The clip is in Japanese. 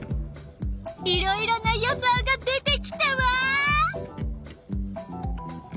いろいろな予想が出てきたわ！